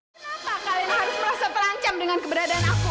kenapa kalian harus merasa terancam dengan keberadaan aku